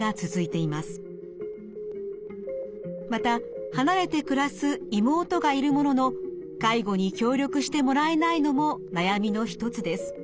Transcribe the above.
また離れて暮らす妹がいるものの介護に協力してもらえないのも悩みの一つです。